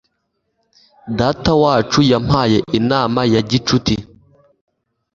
Datawacu yampaye inama ya gicuti.